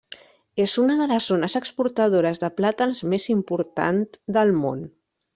És una de les zones exportadores de plàtans més important del món.